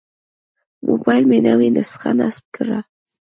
موبایل مې نوې نسخه نصب کړه.